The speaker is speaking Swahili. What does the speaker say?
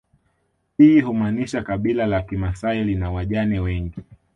Hii humaanisha kabila la kimasai lina wajane wengi